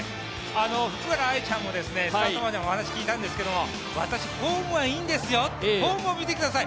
福原愛ちゃんもスタート前に話を聴いたんですが私、フォームはいいんですよ、フォームを見てください。